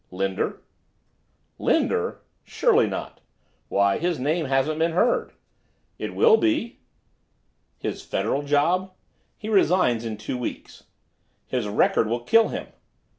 "Linder." "Linder? Surely not! Why, his name hasn't been heard." "It will be." "His Federal job?" "He resigns in two weeks." "His record will kill him."